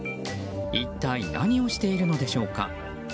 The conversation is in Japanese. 一体、何をしているのでしょうか。